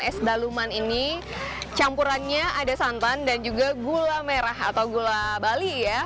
es daluman ini campurannya ada santan dan juga gula merah atau gula bali ya